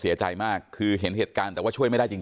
เสียใจมากแต่ว่าเห็นเหตุการณ์ของเราไม่ได้ช่วยแล้ว